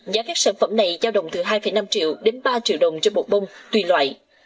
giá các sản phẩm này giao động từ hai năm triệu đến ba triệu đồng cho bột bông tùy loại